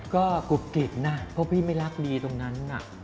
ก็กรุบกริบนะเพราะพี่ไม่รักลีตรงนั้นน่ะ